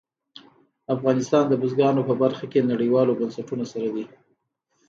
افغانستان د بزګانو په برخه کې نړیوالو بنسټونو سره دی.